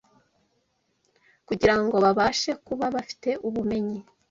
Kugira ngo babashe kuba bafite ubumenyi